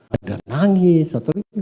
ada nangis atau gimana